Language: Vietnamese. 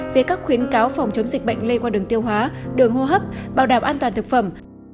về các khuyến cáo phòng chống dịch bệnh lây qua đường tiêu hóa đường hô hấp bảo đảm an toàn thực phẩm